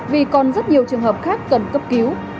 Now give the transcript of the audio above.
vì còn rất nhiều trường hợp khác cần cấp cứu